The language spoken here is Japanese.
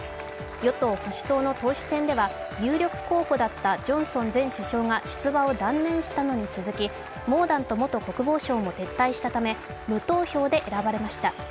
与党保守党の党首選では有力候補だったジョンソン前主将が出馬を断念したのに続きモーダント元国防相も撤退したため無投票で選ばれました。